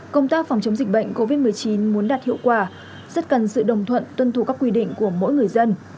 công tác phòng chống dịch bệnh covid một mươi chín muốn đạt hiệu quả rất cần sự đồng thuận tuân thủ các quy định của mỗi người dân